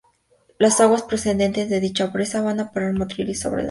Las aguas procedentes de dicha presa van a parar a Motril y Salobreña.